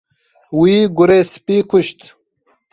Wî gurê spî kuşt.